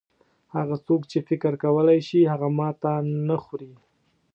هغه څوک چې فکر کولای شي هغه ماته نه خوري.